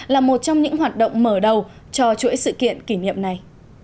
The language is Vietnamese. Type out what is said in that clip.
là một trong những hoạt động mở đầu cho chuỗi sự kiện kỷ niệm này